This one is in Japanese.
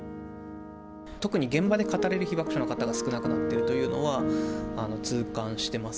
特に現場で語れる被爆者の方々が少なくなっているというのは、痛感してます。